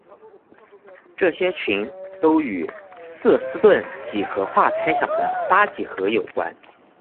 这些群都与瑟斯顿几何化猜想的八几何有关。